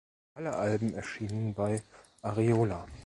Alle Alben erschienen bei Ariola.